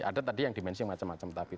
ada tadi yang dimensi macam macam tapi